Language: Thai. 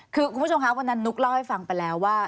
คือคุณผู้ชมคะวันนั้นนุ๊กเล่าให้ฟังไปแล้วว่า